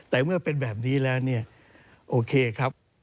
แต่เมื่อเป็นแบบนี้แล้วเนี่ยโอเคครับ